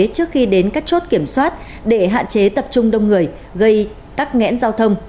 trước khi đến các chốt kiểm soát để hạn chế tập trung đông người gây tắc nghẽn giao thông